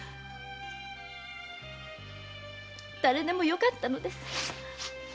誰でもよかったのです。